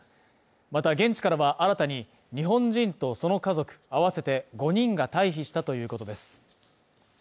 また現地からは新たに日本人とその家族合わせて５人が退避したということです。